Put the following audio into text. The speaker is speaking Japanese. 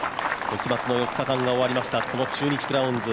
時松の４日間が終わりました中日クラウンズ。